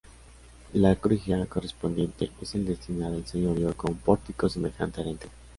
La crujía correspondiente es la destinada al señorío con pórtico semejante al anterior.